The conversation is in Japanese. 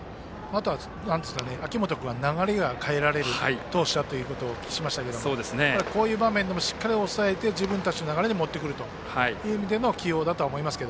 秋本君は流れが変えられる投手だとお聞きしましたけどこういう場面でもしっかり抑えて自分たちの流れに持ってくるという意味での起用だと思います。